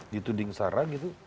dituding sara gitu